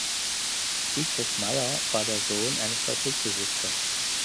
Diedrich Meyer war der Sohn eines Fabrikbesitzers.